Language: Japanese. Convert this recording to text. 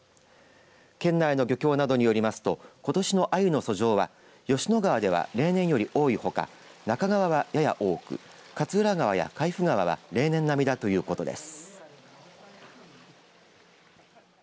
県内の漁協などによりますとことしのあゆの遡上は吉野川では例年より多いほか那賀川はやや多く勝浦川や海部川は例年並みだということです。